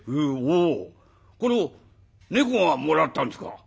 おこれを猫がもらったんですか？